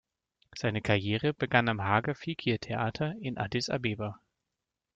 Seine Karriere begann am Hager-Fikir-Theater in Addis Abeba.